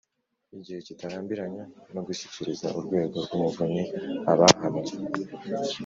gihe kitarambiranye no gushyikiriza Urwego rw Umuvunyi abahamwe